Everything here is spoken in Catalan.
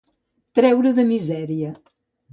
Treure de misèria.